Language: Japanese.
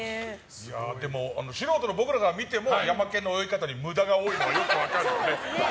でも素人の僕らが見てもヤマケンの泳ぎ方に無駄が多いのはよく分かるので。